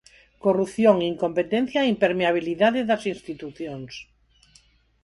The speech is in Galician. Corrupción, incompetencia, e impermeabilidade das institucións.